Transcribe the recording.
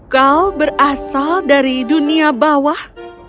kau berasal dari dunia bawah